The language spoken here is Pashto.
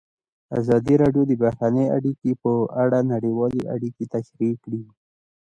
ازادي راډیو د بهرنۍ اړیکې په اړه نړیوالې اړیکې تشریح کړي.